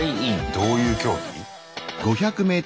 どういう競技？